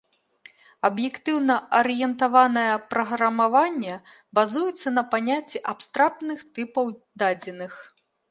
Аб'ектна-арыентаванае праграмаванне базуецца на паняцці абстрактных тыпаў дадзеных.